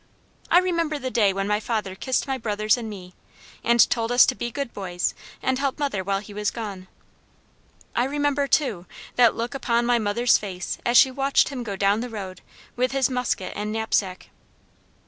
I remember the day when my father kissed my brothers and me, and told us to be good boys, and help mother while he was gone: I remember too, that look upon my mother's face as she watched him go down the road with his musket and knapsack.